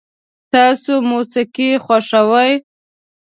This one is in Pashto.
تاسو موسیقي خوښوئ؟